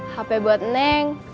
hp buat neng